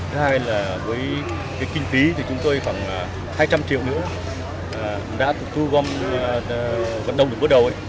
thứ hai là với cái kinh phí thì chúng tôi khoảng hai trăm linh triệu nữa đã thu gom vận đông để bước đầu